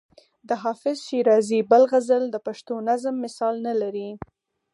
د حافظ شیرازي بل غزل د پښتو نظم مثال نه لري.